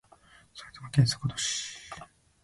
埼玉県坂戸市